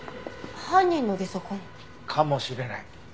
犯人のゲソ痕？かもしれない。